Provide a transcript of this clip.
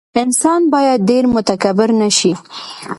انسان باید ډېر متکبر نه شي.